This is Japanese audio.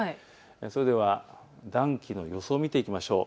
それでは暖気の予想を見ていきましょう。